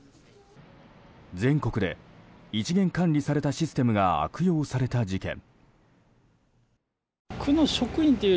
全国で一元管理されたシステムが悪用された事件。